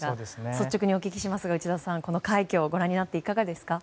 率直にお聞きしますが内田さん、この快挙をご覧になっていかがですか？